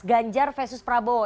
ganjar versus prabowo